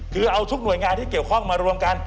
คือเอาทุกหน่วยงานที่เกี่ยวข้องมารวมกัน